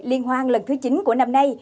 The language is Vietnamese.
liên hoan lần thứ chín của năm nay